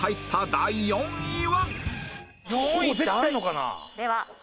第４位は。